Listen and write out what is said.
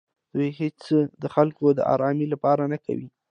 دوی هېڅې د خلکو د ارامۍ لپاره نه کوي.